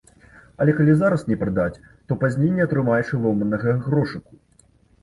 Але калі зараз не прадаць, то пазней не атрымаеш і ломанага грошыку.